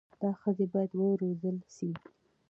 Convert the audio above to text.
دا ښځي بايد و روزل سي